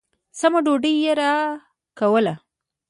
سمه ډوډۍ يې راکوله.